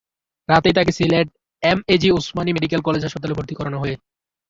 রাতেই তাঁকে সিলেটের এমএজি ওসমানী মেডিকলে কলেজ হাসপাতালে ভর্তি করা হয়।